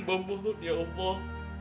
ambah maut ya allah